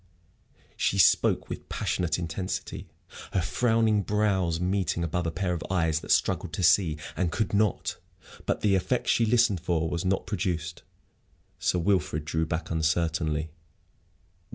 She spoke with passionate intensity, her frowning brows meeting above a pair of eyes that struggled to see and could not. But the effect she listened for was not produced. Sir Wilfrid drew back uncertainly.